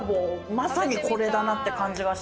まさにこれだなって感じがします。